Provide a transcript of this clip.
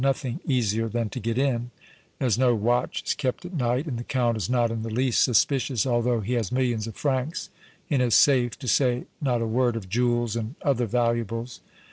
Nothing easier than to get in, as no watch is kept at night, and the Count is not in the least suspicious although he has millions of francs in his safe, to say not a word of jewels and other valuables.